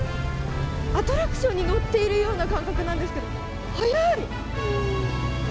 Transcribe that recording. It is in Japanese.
アトラクションに乗っているような感覚なんですけど、速い。